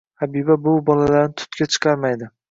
Habiba buvi bolalarni tutga chiqarmaydi.